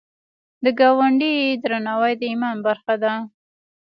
د ګاونډي درناوی د ایمان برخه ده